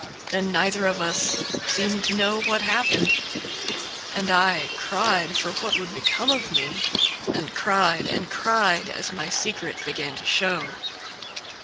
Then neither of us Seemed to know what happened. And I cried for what would become of me. And cried and cried as my secret began to show.